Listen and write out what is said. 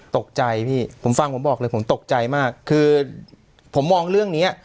ตกใจพี่ผมฟังผมบอกเลยผมตกใจมากคือผมมองเรื่องเนี้ย